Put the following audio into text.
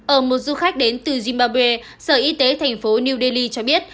ở một du khách đến từ zimbabwe sở y tế thành phố new delhi cho biết